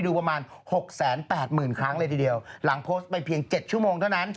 นะครับผมถูกต้องแล้วลองต่อยไส้แต่งนะ